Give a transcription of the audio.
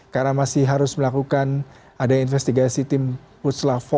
karena masih harus melakukan adanya investigasi tim pusla empat